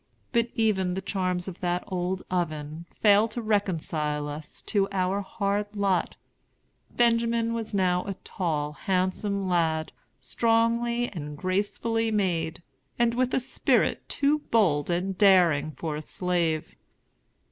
But even the charms of that old oven failed to reconcile us to our hard lot. Benjamin was now a tall, handsome lad, strongly and gracefully made, and with a spirit too bold and daring for a slave.